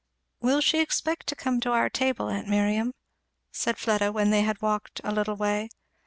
"Will she expect to come to our table, aunt Miriam?" said Fleda when they had walked a little way.